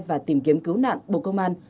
và tìm kiếm cứu nạn bộ công an